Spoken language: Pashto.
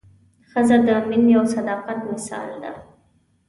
ښځه د مینې او صداقت مثال ده.